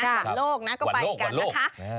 หว่าหวันโลกนะก็ไปกันล่ะค่า